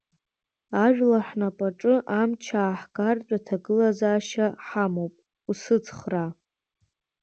Ажәлар ҳнапаҿы амч ааҳгартә аҭагылазаашьа ҳамоуп, усыцхраа!